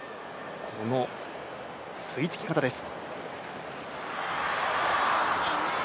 この吸い付き方です。